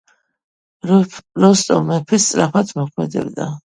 როსტომ მეფე სწრაფად მოქმედებდა.